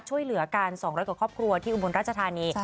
ช่วยเหลือกัน๒๐๐กว่าครอบครัวที่อุบลราชธานี